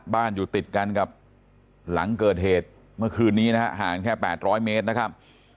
อยู่ติดกันกับหลังเกิดเหตุเมื่อคืนนี้นะฮะห่างแค่๘๐๐เมตรนะครับ